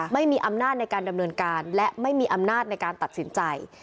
ไม่มีอำนาจในการดำเนินการและไม่มีอำนาจในการตัดสินใจ